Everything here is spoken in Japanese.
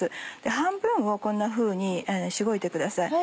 半分をこんなふうにしごいてください。